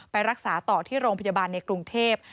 ไปรักษาต่อที่โรงพยาบาลในกรุงเทพ